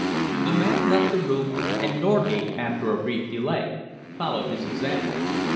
The man left the room, and Norgate, after a brief delay, followed his example.